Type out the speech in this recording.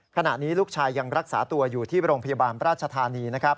ขณะนี้ลูกชายยังรักษาตัวอยู่ที่โรงพยาบาลราชธานีนะครับ